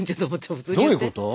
どういうこと？